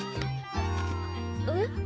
えっ？